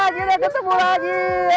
akhirnya ketemu lagi